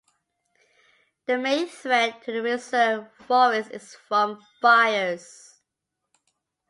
The main threat to the reserve forests is from fires.